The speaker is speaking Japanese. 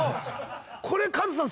これカズさん